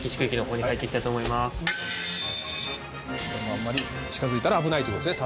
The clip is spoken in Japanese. あんまり近づいたら危ないという事ですね。